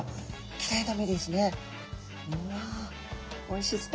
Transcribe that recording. きれいな身ですね。